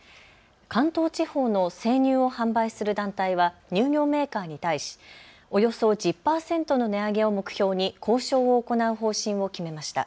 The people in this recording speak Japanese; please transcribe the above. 関東地方の生乳を販売する団体は乳業メーカーに対し、およそ１０％の値上げを目標に交渉を行う方針を決めました。